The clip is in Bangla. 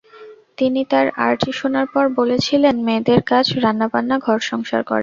তিনি তার আর্জি শোনার পর বলেছিলেন, মেয়েদের কাজ রান্নাবান্না, ঘর-সংসার করা।